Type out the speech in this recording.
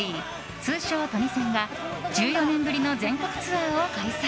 通称トニセンが１４年ぶりの全国ツアーを開催。